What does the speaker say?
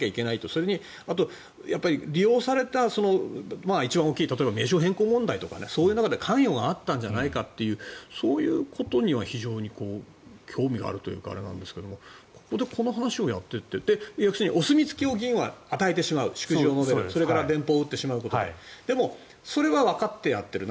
それにあとは利用された一番大きい例えば名称変更問題とかそういう中で関与があったんじゃないかというそういうことには非常に興味があるというかあれなんですけどここでこの話をやっていって要するに議員はお墨付きを与えてしまう祝辞を述べる、それから電報を打ってしまうことででも、それはわかってやっている。